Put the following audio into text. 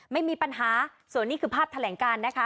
ไม่มีปัญหาส่วนนี้คือภาพแถลงการนะคะ